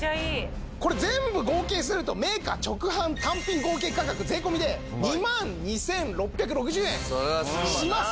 これ全部合計するとメーカー直販単品合計価格税込で２万２６６０円します。